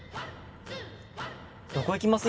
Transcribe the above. どこ行きます？